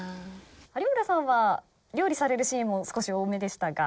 有村さんは料理されるシーンも少し多めでしたが。